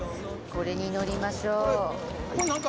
これに乗りましょう。